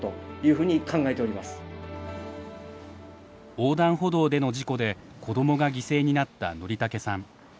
横断歩道での事故で子どもが犠牲になった則竹さん。